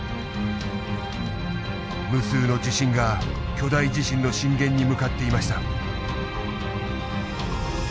無数の地震が巨大地震の震源に向かっていました。